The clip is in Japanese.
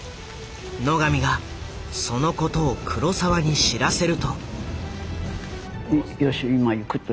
野上がそのことを黒澤に知らせると。